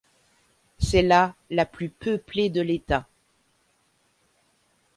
C'est la la plus peuplée de l'État.